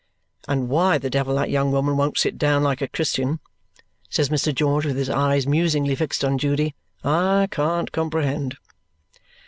And why the devil that young woman won't sit down like a Christian," says Mr. George with his eyes musingly fixed on Judy, "I can't comprehend."